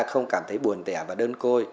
không cảm thấy buồn tẻ và đơn côi